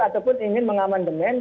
ataupun ingin mengaman demen